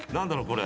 これ。